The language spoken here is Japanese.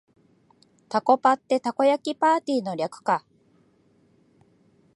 タコパってたこ焼きパーティーの略か